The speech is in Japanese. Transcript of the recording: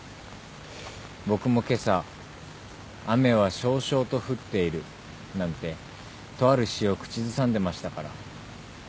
僕も今朝「雨は蕭々と降ってゐる」なんてとある詩を口ずさんでましたから。